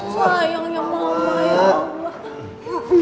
sayangnya mama ya allah